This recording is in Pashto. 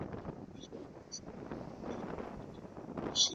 اردو ژبه ویډیوګاني خپرې سوي دي، په ځانګړي ډول